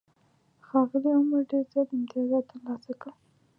ښاغلي عمر ډېر زیات امتیازات ترلاسه کول.